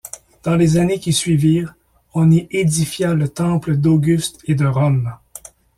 Dans les années qui suivirent, on y édifia le temple d'Auguste et de Rome.